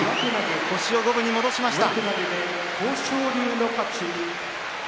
星を五分に戻しました。